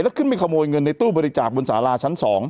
แล้วขึ้นไปขโมยเงินในตู้บริจาคบนสาราชั้น๒